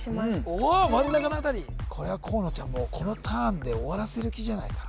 おお真ん中の辺りこれは河野ちゃんもこのターンで終わらせる気じゃないかな？